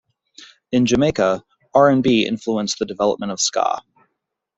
In Jamaica, R and B influenced the development of ska.